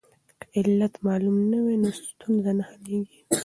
که علت معلوم نه وي نو ستونزه نه حلیږي.